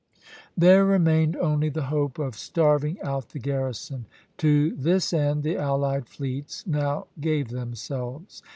There remained only the hope of starving out the garrison. To this end the allied fleets now gave themselves.